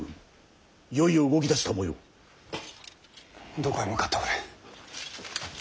どこへ向かっておる。